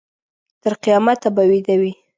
تر قیامته به ویده وي.